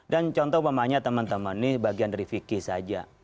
dan contoh pemahamannya teman teman ini bagian dari fikir saja